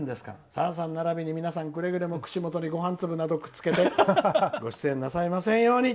さださん、ならびに皆さんくれぐれも口元にごはん粒などくっつけてご出演なさいませんように」。